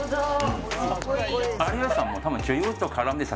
有吉さんも多分。